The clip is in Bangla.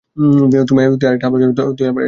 তুই আরেকটা হামলার জন্য তৈরি হয়ে যা।